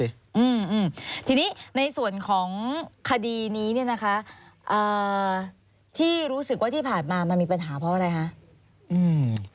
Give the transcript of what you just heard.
อืมทีนี้ในส่วนของคดีนี้ที่รู้สึกที่ผ่านมามันมีปัญหาเพราะอะไรคะ